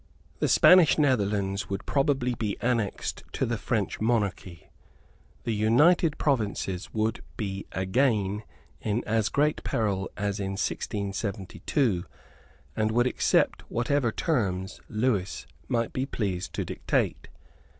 The Spanish Netherlands would probably be annexed to the French monarchy. The United Provinces would be again in as great peril as in 1672, and would accept whatever terms Lewis might be pleased to dictate.